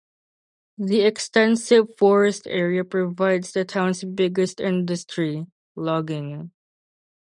The extensive forest area provides the town's biggest industry, logging.